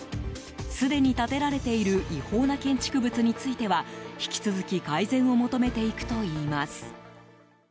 すでに建てられている違法な建築物については引き続き改善を求めていくといいます。